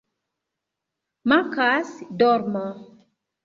Mankas dormo